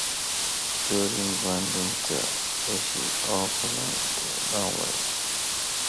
During landing, the vehicle overran the runway and sustained minor damage.